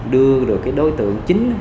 đưa được cái đối tượng chính